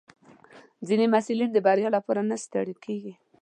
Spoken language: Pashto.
ځینې محصلین د بریا لپاره نه ستړي کېږي.